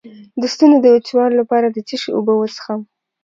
د ستوني د وچوالي لپاره د څه شي اوبه وڅښم؟